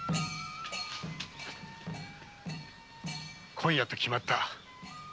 今夜と決まった。